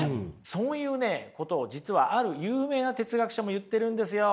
そういうことを実はある有名な哲学者も言ってるんですよ。